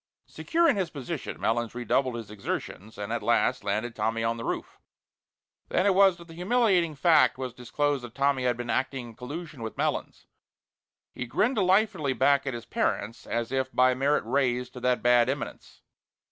Secure in his position, Melons redoubled his exertions and at last landed Tommy on the roof. Then it was that the humiliating fact was disclosed that Tommy had been acting in collusion with Melons. He grinned delightedly back at his parents, as if "by merit raised to that bad eminence."